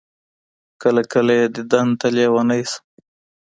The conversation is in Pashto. كله، كله يې ديدن تــه لـيونـى سم